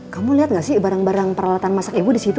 kamu lihat nggak sih barang barang peralatan masak ibu di situ